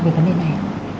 về vấn đề này